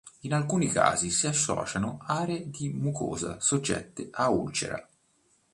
In alcuni casi si associano aree di mucosa soggette a ulcera.